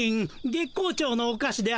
月光町のおかしであるな。